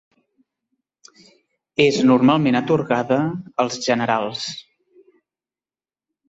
És normalment atorgada als Generals.